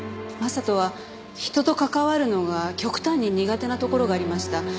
将人は人と関わるのが極端に苦手なところがありました。